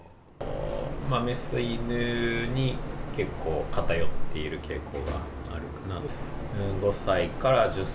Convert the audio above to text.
雌犬に結構、偏ってる傾向があるかな。